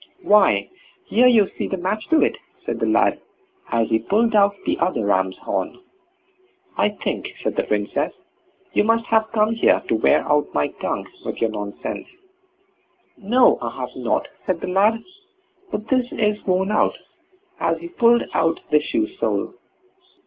"Why, here you see the match to it", said the lad, as he pulled out the other ram's horn. "I think", said the Princess, "you must have come here to wear out my tongue with your nonsense." "No, I have not", said the lad; "but this is worn out", as he pulled out the shoe sole.